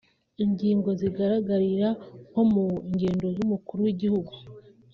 Ingero zigaragarira nko mu ngendo z’Umukuru w’Igihugu